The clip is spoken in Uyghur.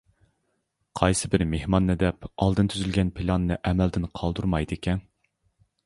قايسىبىر مېھماننى دەپ ئالدىن تۈزۈلگەن پىلاننى ئەمەلدىن قالدۇرمايدىكەن.